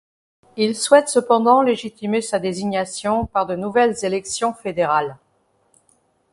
Il souhaite cependant légitimer sa désignation par de nouvelles élections fédérales.